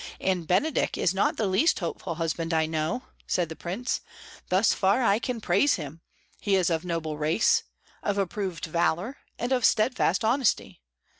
"And Benedick is not the least hopeful husband I know," said the Prince. "Thus far I can praise him: he is of noble race, of approved valour, and of steadfast honesty.